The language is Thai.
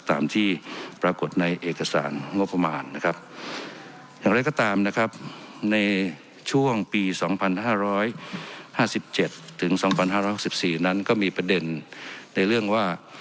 ห้าสิบเจ็ดถึงสองพันห้าร้านหกสิบสี่นั้นก็มีประเด็นในเรื่องว่า